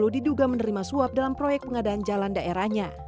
diduga menerima suap dalam proyek pengadaan jalan daerahnya